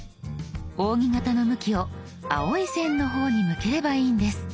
扇形の向きを青い線の方に向ければいいんです。